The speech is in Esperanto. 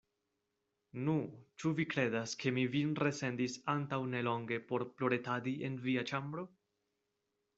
Nu, ĉu vi kredas, ke mi vin resendis antaŭ nelonge por ploretadi en via ĉambro?